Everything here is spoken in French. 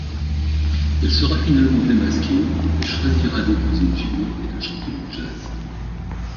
Elle sera finalement démasquée mais choisira d'épouser Jimmy et de chanter du jazz.